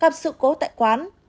gặp sự cố tại quán